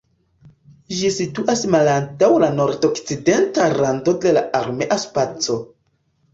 Ĝi situas malantaŭ la nordokcidenta rando de la armea spaco.